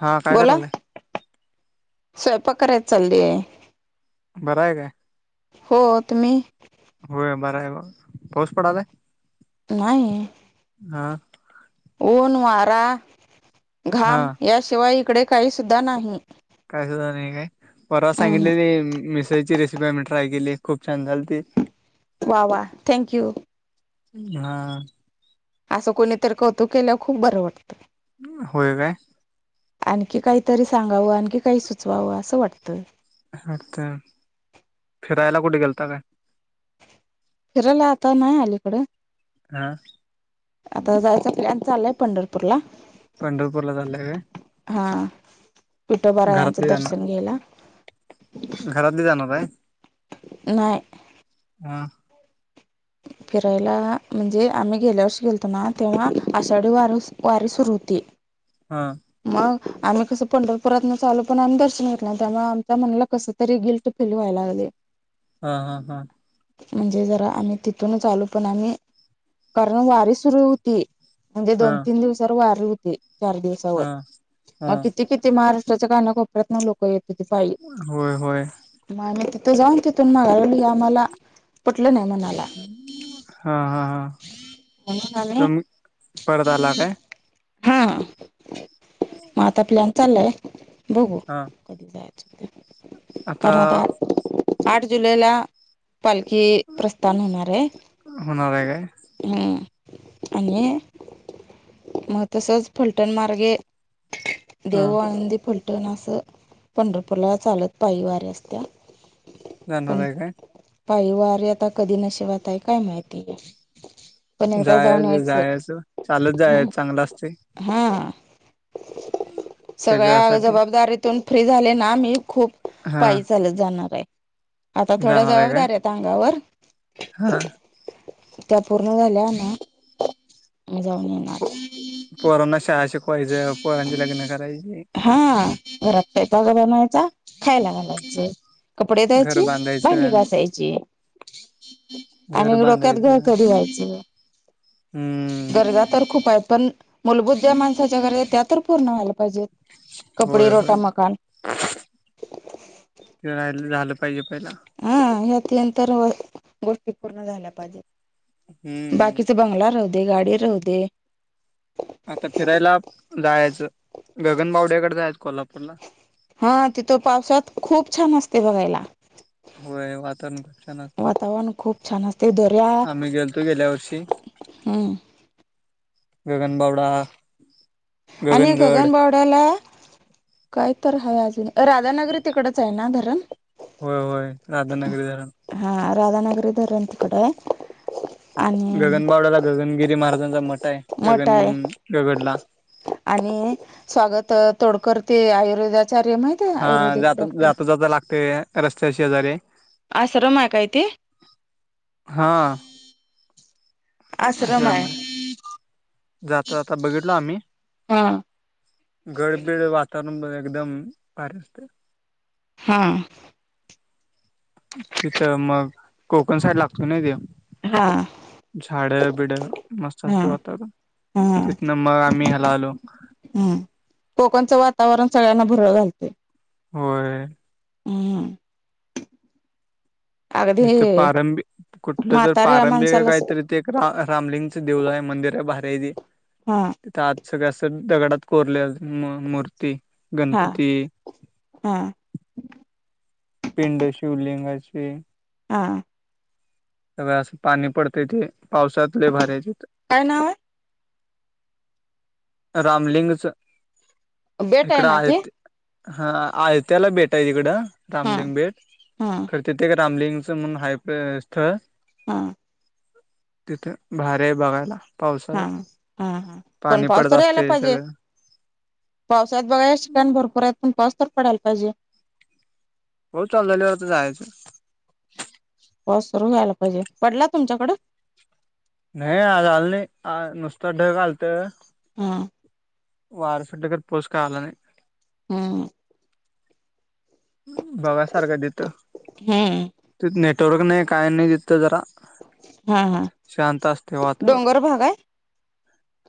हा काय बोला करायलाय. स्वयंपाक करायच चाललीय. बर आहे काय? हो तुम्ही? होय बर आहे बा. पाऊस पडायलाय. नाही. हा ऊन, वारा, हा घाम याशिवाय इकडे काही सुद्धा नाही. काय सुद्धा नाही काय? परवा अहं सांगितलेले मि ची रेसिपी आम्ही ट्राय केली. खूप छान झालती. वा वा, थँक यू. हा असं कोणीतरी कौतुक केल्यावर खूप बरं वाटतं. होय काय? आणखी काहीतरी सांगावं आणखी काही सुचवावं असं वाटतं. आता फिरायला कुठे गेलता काय? फिरायला आता नाही अलीकडं. हां. आता जायचा प्लॅन चाललाय पंढरपूर ला. पंढरपूरला चाललाय काय हां विठोबा रायांचं घरातली जाणार दर्शन घ्यायला. घरातली जाणार आहे? नाही. हां. फिरायला म्हणजे आम्ही गेल्या वर्षी गेलतो ना तेव्हा आषाढी वार वारी सुरु होती. हां. मग आम्ही कसं पंढरपुरातनच आलो पण आम्ही दर्शन घेतल नाही त्यामुळे आमच्या मम्मीला कसं तरी गिल्ट फिल व्हायला लागलंय. हां हां हां. म्हणजे जरा आम्ही तिथूनच आलो पण आम्ही, कारण वारी सुरू होती. म्हणजे दोन तीन दिवसावर वारी होती. चार दिवस हां. मग किती किती महाराष्ट्राच्या काना कोपऱ्यात न लोक येतात पायी. होय होय. मग आम्ही तिथे जाऊन तिथून माघारी आलोय हे आम्हाला पटलं नाही मनाला. हां हां हां म्हणून आम्ही तुम्ही परत आला काय? हां मग आता प्लॅन चाललाय. बघू हा कधी जायचं ते कारण आता आठ जुलै ला पालखी प्रस्थान होणार आहे. होणार आहे काय? हम्म आणि मग तसंच फलटण मार्गे हा देहू, आळंदी, फलटण असं पंढरपूरला चालत पायी वारी असत्या. जाणार पण आहे काय पायी वारी आता कधी नशिबात आहे काय माहिती. पण एकदा जाऊन जायचं यायचं. जायचं चालत जायचं चांगलं असतंय. हां सगळ्या शरीरासाठी जबाबदारीत तून फ्री झाले ना मी खूप हा पायी चालत जाणार आहे आता थोड्या जबाबदाऱ्या आहेत अंगावर. हां. त्या पूर्ण झाल्या ना मी जाऊन येणार. प पोरांना शाळा शिकवायचं, पोरांची लग्न करायची. हां घरात स्वयंपाक बनवायचा खायला घालायचं. कपडे घर धुवायची, भांडी बांधायचं घसायची घर आणि डोक्यात घर बांधायचं यायचं. हम्म. गरजा तर खूप आहेत पण मूलभूत ज्या माणसाच्या गरजा आहेत त्या तर पूर्ण व्हायला पाहिजेत. कपडे, होय रोटा, होय मकान. ते राहिलेलं झालं पाहिजे पहिला. हा, या तीन तर गोष्टी पूर्ण झाल्या पाहिजेत. हम्म बाकीच बंगला राहू दे, गाडी राहू दे आता फिरायला जायाचं, गगनबावड्याकडे जायाचं कोल्हापूरला. हा तिथं पावसात खूप छान असतय बघायला. होय वातावरण खूप छान असतं. वातावरण खूप छान असतय, दऱ्या आम्ही गेलतो गेल्या वर्षी ह गगन बावडा आणि गगन बावडा [inaudible] काय तरं हाय अजून, राधानगरी तिकडच आहे ना धरण? व्हय व्हय राधानगरी धरण हा राधानगरी धरण तीकड आहे. आणि गगनबावड्याला गगनगिरी महाराजांचा मठ आहे, मठ आहे गगन गडला आणि स्वागत अ तोडकर ते आयुर्वेदात हा जात, जाता जाता लागतय रस्त्या शेजारी हाय. आश्रम आहे काय ते? हा आश्रम हाय, जाता जाता बघितलो आम्ही. हा. गड-बीड वातावरण ब एकदम भारी दिसतय. हा. तिथ, मग कोकण साईड लागतो नाय त्यो. हा झाड -बिड मस्त हा असतय वातावरण, हा तिथन मग आम्ही ह्याला आलो हम्म, कोकणचं वातावरण सगळ्यांना भुरळ घालतय. व्हय. हम्म अगदी इथ पारंबी, कुठलं तर म्हाताऱ्या पारंबी का माणसाला काहीतरी एक रा रामलिंगचं देउळ आहे, मंदिर आहे भारी आहे ते. हा तिथ आत सगळ्या असं दगडात कोरलेल्या म मूर्ती हा गणपती हा पिंड शिवलिंगाची आ सगळ असं पाणी पडतय ते पावसात लय भारी आहे तिथं. काय नाव हाय? रामलिंगच, आहे? बेट इकडं ना आहे ते. हा, आयत्याला बेट आहे तिकडं हा रामलिंग बेट हा खर तिथं एक रामलिंगच म्हणून हाय पाय स्थळ हा तिथ भारी हाय बघायला हा हा हा पावसाळ्यात पण पाऊस पडत तर यायला असतंय पाहिजे, सगळं पावसाळ्यात बघायला ठिकाण भरपूर आहेत पण पाऊस तर पडायला पाहिजे. पाऊस चालू झाल्यावर तर जायाच. पाऊस भरून यायला पाहिजे, पडला तुमच्याकडं? नाही अजून आला नयी, नुसता ढग आलत हा वार सुटलं खर, पाऊस काय आला नाही. हम्म बघा सारखं देत हम्म तिथ नेटवर्क नाही काय नाही देत जरा हा हा शांत असते डोंगर वातावरण भाग आहे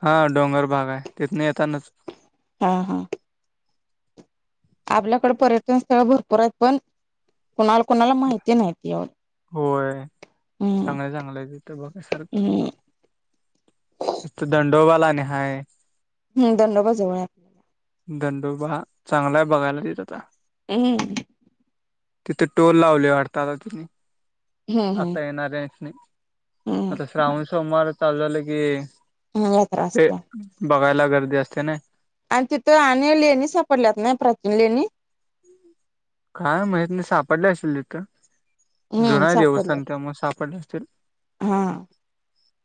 हा डोंगर भाग आहे तिथन येतानाच हा हा. आपल्याकडे पर्यटन स्थळ भरपूर आहेत पण कुणाला कुणाला माहिती नाहीती आहो चांगले चांगलं तिथ बघासारखं हम्म इत दंडोबाला अनि हाय हम्म दंडोबा जवळ हाय दंडोबा चांगलाय बघायला तिथ ता हम्म हम्म. तिथे टोल लावले वाटतात आता त्यांनी. हम्म हम्म आता येणाऱ्यास ही हम्म आता श्रावण सोमवार चालू झालं की हम्म यात्रा ते असते बघायला गर्दी असते नाय आणि तिथं आणि लेणी सापडल्यात नाही प्राचीन लेणी? काय माहित नाही सापडले असेतील तिथं जुन हम्म देवस्थान सापडल्यात त्यामुळे सापडले असतील. हा.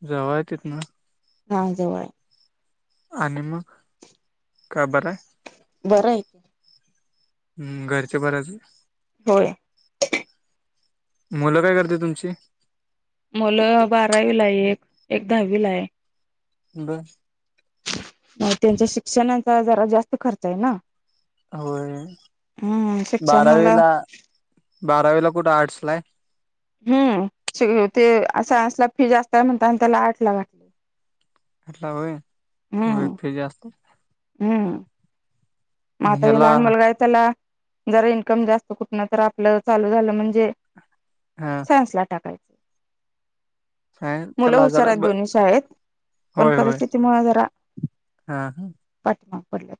जवळ आहे तिथन हा जवळ आहे. आणि मग काय बर आहे. बरं आहे. हम्म घरचे बरे आहेत होय. मुलं काय करते तुमची? मुलं बारावीला आहे एक, एक दहावीला आहे. ब त्यांच्या शिक्षणाचा जरा जास्त खर्च आहे ना. होय हम्म शिक्षणाला बारावीला, बारावीला कुठे आर्टस ला आहे. हम्म ते सायनसला फी जास्त म्हणता आणि त्याला आर्टला घातल. [unintelligible] होय होय हम्म फ्री जास्त. हम्म म आता हे ह्याला लहान मुलगा आहे त्याला जरा इन्कम जास्त कुठन तर आपलं चालू झालं म्हणजे हा. सायन्स ला टाकायचं काय मुलं त्याला हुशार जरा आहेत ब दोन्ही शाळेत, पण होय होय परिस्थितीमुळ जरा हा हा. पाठीमागे पडलेत.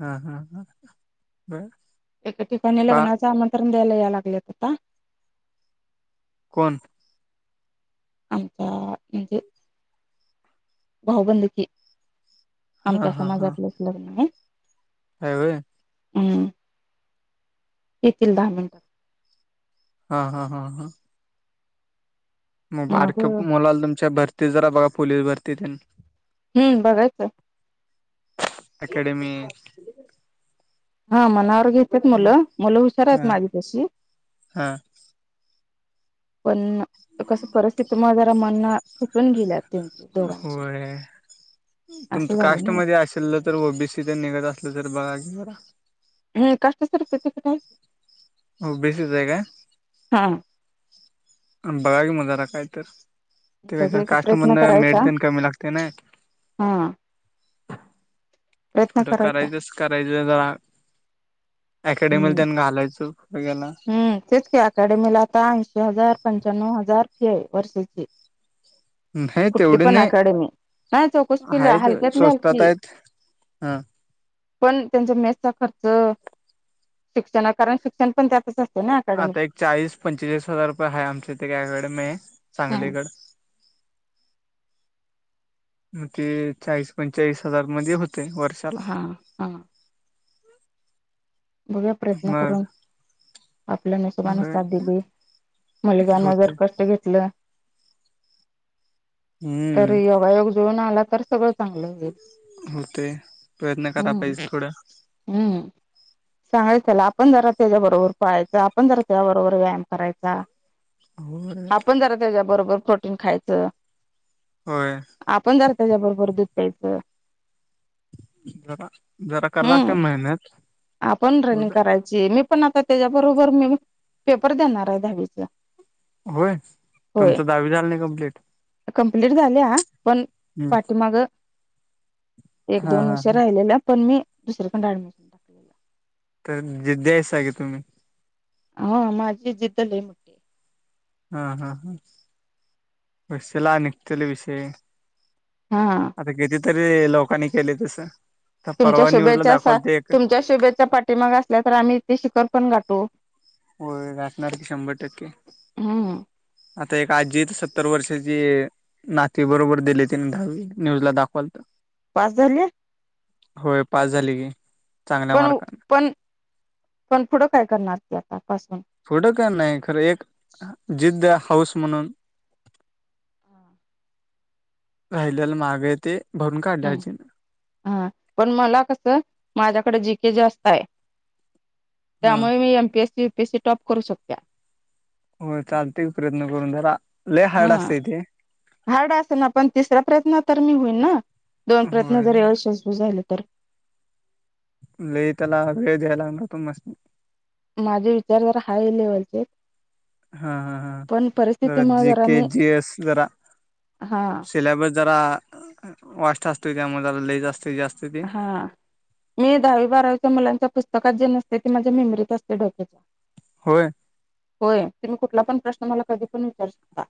हा हा हा बरं. एका ठिकाणी लग्नाच आमंत्रण द्यायला यायलेत आता. कोण? आमचा म्हणजे भाऊबंदकी हा आमच्या समाजातलेच लग्न आहे. हाय व्हय. हम्म येतील दहा मिनटात. हा हा हा हा. मग बारक्या मुलाला तुमच्या भरती जरा बघा पोलीस भरती तेन हम्म बघायचं अकॅडमी हा मनावर घेतात मुलं मुलं हुशार आहेत हा माझी तशी हा पण कसं परिस्थिती मुळे जरा मनना खचून गेल्यात. त्यांची दोघांची होय तुमचं असं झालं ना कास्टमध्ये असेल तर ओबीसी तेन निघत असलं तर बघा की जरा हा कास्ट सर्टिफिकेट आहे. हो ओ बी सीच आहे काय? हां बघा कि तर मग काहीतरी ते बघूया की प्रयत्न कास्टमधन करायचा मेरिट पण कमी लागते ना? हा प्रयत्न पुढ करायचा करायचं करायचं जरा अकॅडमीला हम्म त्यांना घालायचं. हो गेला [unintelligible] हम्म तेच कि अकॅडमीला आता ऐंशी हजार पंच्याण्व हजार फी आहे वर्षाची. नाही कुठली तेवढे पण नाही अकॅडमी नाही चौकशी केली आहेत हलक्यातली स्वस्तात हलकी आहेत हा पण त्यांच्या मेसचा खर्च शिक्षणा कारण शिक्षण पण त्यातच असते ना अकॅडमीत आता एक चाळीस पंचेचाळीस हजार रुपये आहे आमच्या इथं एक अकॅडमी हम्म सांगलीकड मग ते चाळीस पंचाळीस हजार मध्ये होते वर्षात. हा हा [unintelligible] बघा प्रयत्न मग करून. आपल्याने नशिबानी होय साथ दिली तर मुलग्यान होते जर कष्ट घेतलं तर हम्म योगायोग जुळून आला तर सगळं चांगलं होईल हम्म कड [unintelligible] सांगायचं त्याला आपण जरा त्याच्याबरोबर पाळायचं आपण जरा त्या बरोबर व्यायाम करायचा. होय आपण जरा त्याच्याबरोबर प्रोटीन खायचं. होय आपण जरा त्याच्याबरोबर दुध प्यायचं. जरा जरा करा लागते हम्म मेहनत. आपण रर्निंग करायची मी पण आता त्याच्याबरोबर मी पेपर देणार आहे दहावीचा. होय तुमचं दहावी झालं नाही कप्लीट? कंप्लीट झाल्या पण हम्म पाठीमाग एक हा दोन हा वर्ष हा राहिलेल्या पण मी दुसरीकडं ऍडमिशन टाकलेलं. तर जे द्यायच आहे का तुम्ही? हा माझी जिद्द लय आहे. हा हा हा बसेला निघतील विषय हा आता किती तरी लोकांनी केले तसं तर तुमच्या परवा न्यूजला शुभेच्छा दाखवाल ते एक तुमच्या शुभेच्छा पाठीमाग असल्या तर आम्ही तेे शिखर पण गाठू. हो गाठणार की शंभर टक्के. हम्म आता एक आजी सत्तर वर्षाची नाते बरोबर दिले तिने दहावी, न्यूज ला दाखवाल ता. पास झालीय? होय, पास झाली की. चांगल्या पण मार्काने पण पण पुढं काय करणार ती आतापासून? पुढं काय नाही. खरं, एक जिद्द हाऊस म्हणून. राहिल्याला माग आहे ते, भरून काढले हम्म अजीन. हा पण मला कसं, माझ्याकडे जी केे जास्त आहे. हा त्यामुळे मी M P SC U P SC top करू शकत्या. होय चालते की, प्रयत्न करून जरा लय हार्ड हा असतय ते. हार्ड असल ना, पण तिसऱ्या प्रयत्नात तर मी होईन ना. दोन प्रयत्न होय जर अयशस्वी झाले तर. लई त्याला वेळ दयाय लागणारं तुमास्नी. माझे विचार जरा हाय लेवलचेत. हा हा हा, जरा परिस्थितीमुळे जी केे, मी जी एस जरा हा सिलॅबस जरा वास्ट असतोय, त्यामुळे जरा लई जास्तीत जास्त ते हा, मी दहावी, बारावीच्या मुलांच्या पुस्तकात जे नसतय, ते माझ्या मेमरीत असतय. डोक्याच्या होय? होय, तुम्ही कुठला पण प्रश्न, मला कधी पण विचारू शकता.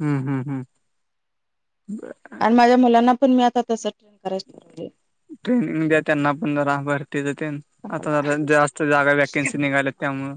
हम्म हम्म हम्म, बरं. आणि माझ्या मुलांना पण मी आता तसं ट्रेन करायच ठरवले. ट्रेनिंग द्या, त्यांना पण जरा भरतीच तेन. संपला आता जरा जास्त जागा वॅकेन्सी निघाल्यात त्यामुळं.